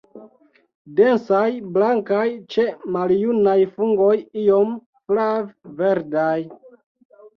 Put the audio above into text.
Densaj, blankaj, ĉe maljunaj fungoj iom flav-verdaj.